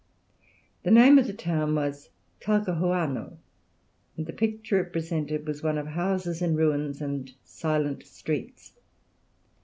The name of the town was Talcahuano; and the picture it presented was one of houses in ruins and silent streets.